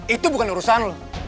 itu bukan urusan lo